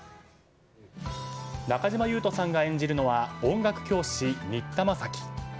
中島裕翔さんが演じるのは音楽教師、新田正樹。